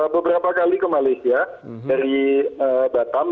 beberapa kali ke malaysia dari batam